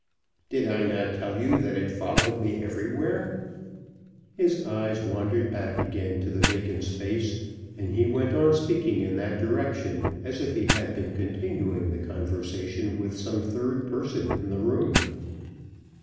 "Did I not tell you that it followed me everywhere?" His eyes wandered back again to the vacant space, and he went on speaking in that direction as if he had been continuing the conversation with some third person in the room.